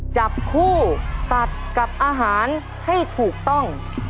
จับคู่สัตว์กับอาหารให้ถูกต้อง